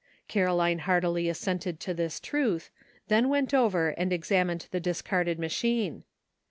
Caroline heartily assented to this truth, then went over and examined the discarded machine.